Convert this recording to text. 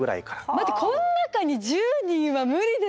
待ってこん中に１０人は無理です。